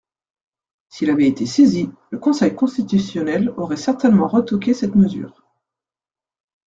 S’il avait été saisi, le Conseil constitutionnel aurait certainement retoqué cette mesure.